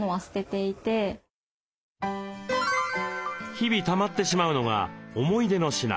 日々たまってしまうのが思い出の品。